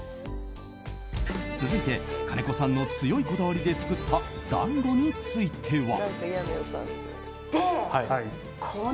続いて金子さんの強いこだわりで作った暖炉については。